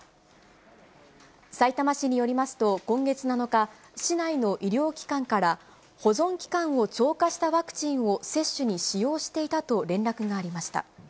さいたま市によりますと、今月７日、市内の医療機関から、保存期間を超過したワクチンを接種に使用していたと連絡がありました。